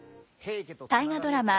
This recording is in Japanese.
大河ドラマ